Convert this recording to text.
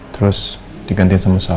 terus digantiin sama sal